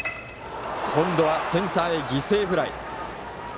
今度はセンターへ犠牲フライ。